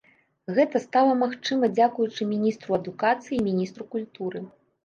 Гэта стала магчыма дзякуючы міністру адукацыі і міністру культуры.